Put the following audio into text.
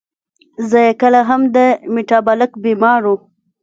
زۀ چې کله هم د ميټابالک بيمارو